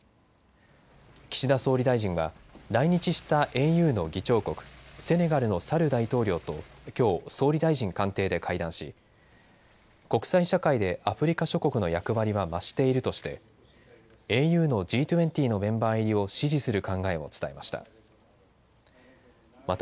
岸田総理大臣は来日したＡＵの議長国、セネガルのサル大統領ときょう総理大臣官邸で会談し国際社会でアフリカ諸国の役割は増しているとしてＡＵのＧ２０のメンバー入りを支持する考えを伝えました。